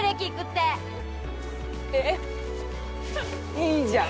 いいじゃん。